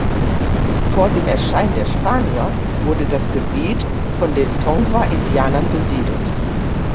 Vor dem Erscheinen der Spanier wurde das Gebiet von den Tongva-Indianern besiedelt.